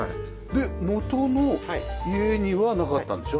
で元の家にはなかったんでしょ？